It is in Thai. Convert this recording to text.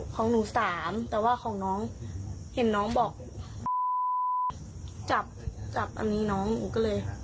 ของหนูสามแต่ว่าของน้องเห็นน้องบอกจับจับอันนี้น้องหนูก็เลย